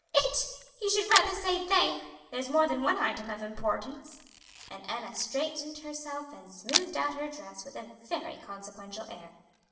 "It! You should rather say they. There's more than one item of importance." And Enna straightened herself and smoothed out her dress with a very consequential air.